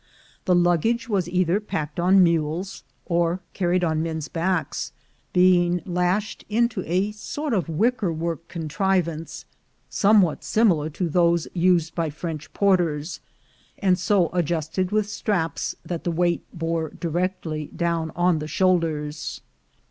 The luggage was either packed on mules, or carried on men's backs, being lashed into a sort of wicker work contrivance, somewhat similar to those used by French porters, and so adjusted with straps that the weight bore directly down on the shoulders.